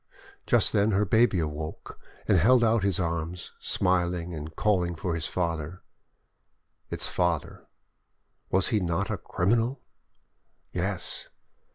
Just then her baby awoke, and held out its arms, smiling, and calling for its father. Its father, was he not a criminal? Yes!